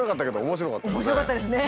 面白かったですね。